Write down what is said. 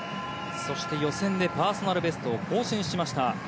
そして予選でパーソナルベストを更新しました